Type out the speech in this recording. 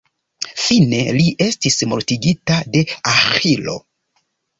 Fine, li estis mortigita de Aĥilo.